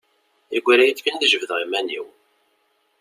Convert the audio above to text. Yeggra-iyi-d kan ad jebdeɣ iman-iw.